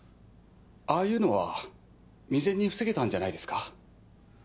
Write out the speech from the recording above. ああいうのは未然に防げたんじゃないですか？